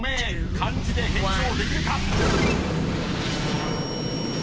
漢字で返上できるか？］